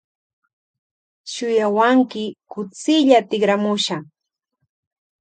Shuyawanki kutsilla tikramusha.